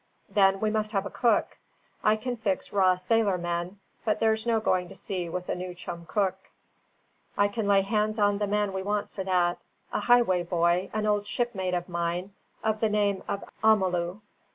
Then we must have a cook. I can fix raw sailor men, but there's no going to sea with a new chum cook. I can lay hands on the man we want for that: a Highway boy, an old shipmate of mine, of the name of Amalu.